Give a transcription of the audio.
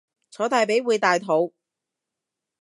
坐大髀會大肚